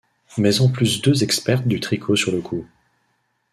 Mets en plus deux expertes du tricot sur le coup.